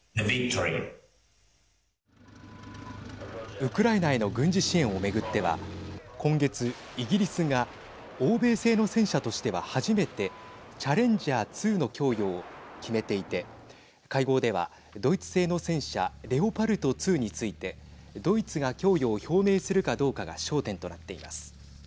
ウクライナへの軍事支援を巡っては今月イギリスが欧米製の戦車としては初めてチャレンジャー２の供与を決めていて会合ではドイツ製の戦車レオパルト２についてドイツが供与を表明するかどうかが焦点となっています。